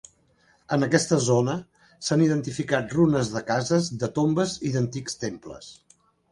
En aquesta zona s'han identificat runes de cases, de tombes i d'antics temples.